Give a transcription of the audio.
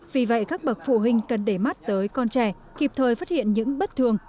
vì vậy các bậc phụ huynh cần để mắt tới con trẻ kịp thời phát hiện những bất thường